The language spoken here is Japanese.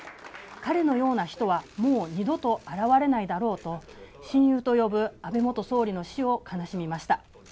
彼のような人はもう二度と現れないだろうと親友と呼ぶ安倍元総理の死を悲しみました。